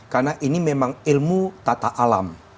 karena ini memang ilmu tata alam